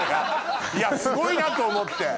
すごいなと思って。